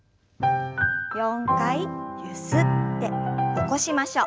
４回ゆすって起こしましょう。